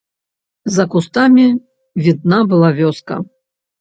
За кустамі відна была вёска.